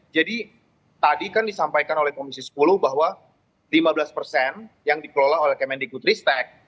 tadi kan disampaikan oleh komisi sepuluh bahwa lima belas persen yang dikelola oleh kemendikutristek